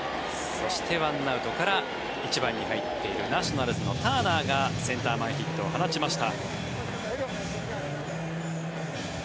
そして、１アウトから１番に入っているナショナルズのターナーがセンター前ヒットを放ちました。